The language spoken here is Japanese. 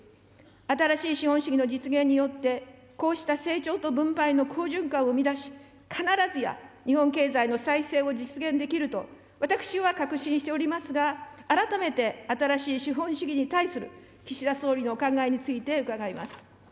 新しい資本主義の実現によって、こうした成長と分配の好循環を生み出し、必ずや日本経済の再生を実現できると、私は確信しておりますが、改めて新しい資本主義に対する岸田総理のお考えについて伺います。